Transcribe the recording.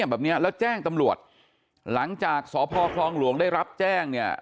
แบบนี้แล้วแจ้งตำรวจหลังจากสพคลองหลวงได้รับแจ้งเนี่ย